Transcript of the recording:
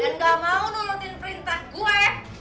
dan gak mau nolotin perintah gue